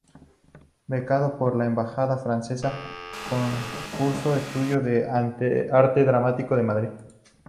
Becado por la Embajada francesa, cursó estudios de Arte dramático en Madrid.